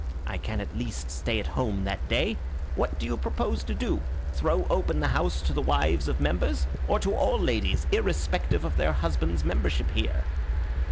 I can at least stay at home that day. What do you propose to do throw open the house to the wives of members, or to all ladies, irrespective of their husbands' membership here?"